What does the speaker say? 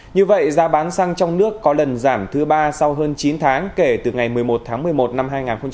như vậy giá bán xăng trong nước có lần giảm thứ ba sau hơn chín tháng kể từ ngày một mươi một tháng một mươi một năm hai nghìn hai mươi